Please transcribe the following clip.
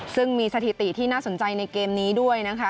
ซึ่งมีสถิติที่น่าสนใจในเกมนี้ด้วยนะคะ